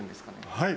はい。